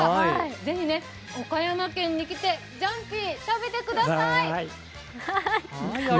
ぜひ岡山県に来てジャンピー、食べてください。